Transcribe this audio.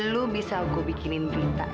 lo bisa aku bikinin berita ya